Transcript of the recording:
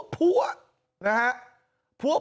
พัวนะครับ